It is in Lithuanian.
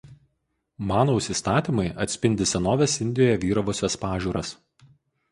Manaus įstatymai atspindi senovės Indijoje vyravusias pažiūras.